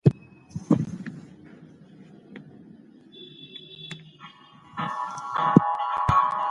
د سفر لیکنې په بریتانیا او امریکا کې مشهورې شوې.